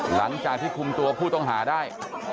หลังจากที่คุมตัวผู้ต้องหาได้